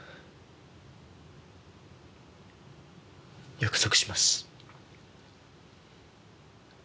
約束します。